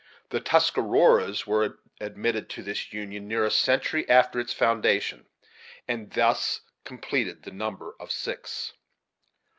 The Tuscaroras were admitted to this union near a century after its foundation, and thus completed the number of six.